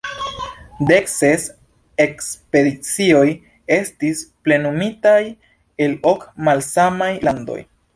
Dekses ekspedicioj estis plenumitaj el ok malsamaj landoj.